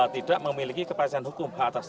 tidak memiliki kepercayaan hukum